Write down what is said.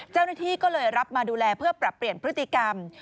เจ้าหน้าที่ก็เลยรับมาดูแลเพื่อปรับเปลี่ยนพฤติกรรม